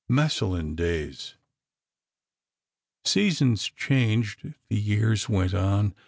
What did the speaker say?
XII MASSILLON DAYS Seasons changed ... the years went on.